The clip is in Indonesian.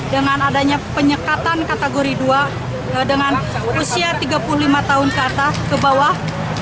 dengan adanya penyekatan kategori dua dengan usia tiga puluh lima tahun ke atas ke bawah